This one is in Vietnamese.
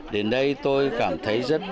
đến đây tôi cảm thấy rất là